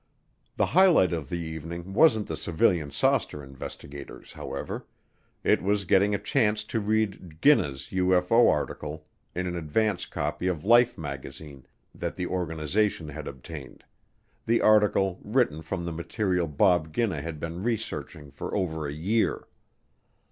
The highlight of the evening wasn't the Civilian Saucer Investigators, however; it was getting a chance to read Ginna's UFO article in an advance copy of Life magazine that the organization had obtained the article written from the material Bob Ginna had been researching for over a year.